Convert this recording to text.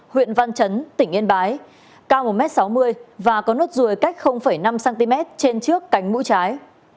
huyện văn chấn tỉnh yên bái cao một m sáu mươi và có nốt ruồi cách năm cm trên trước cánh mũi trái